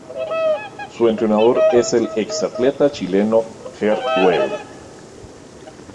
Su entrenador es el exatleta chileno Gert Weil.